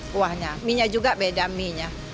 kuahnya mie nya juga beda mie nya